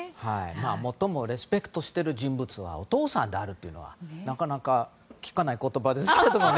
最もリスペクトしている人物がお父さんであるというのはなかなか聞かない言葉ですけどね。